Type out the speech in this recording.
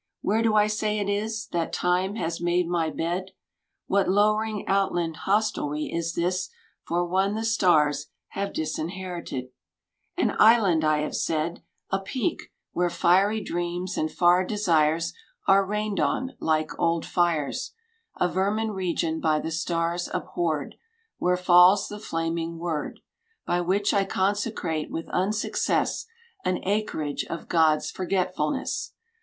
Where do I say it is That Time has miade my bed ? What lowering outland hostelry is this For one the stars have disinherited ? An island, I have said: A peak, where fiery dreams and far desires Are rained on, like old fires: A vermin region by the stars abhorred, Where falls the flaming word By which I consecrate with unsuccess An acreage of God's forgetfulness.